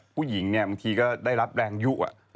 ผู้หญิงเนี่ยบางทีก็ได้รับแรงยุอะ